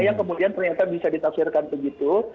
yang kemudian ternyata bisa ditafsirkan begitu